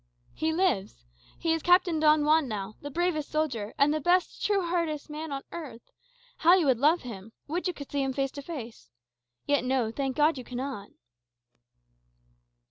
"He lives. He is Captain Don Juan now, the bravest soldier, and the best, truest hearted man on earth. How you would love him! Would you could see him face to face! Yet no; thank God you cannot."